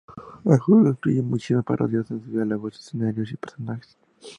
El juego incluye muchísimas parodias en sus diálogos, escenarios y personajes.